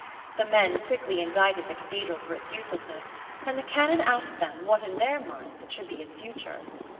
The men quickly indicted the cathedral for its uselessness, and the canon asked them what in their minds should be its future.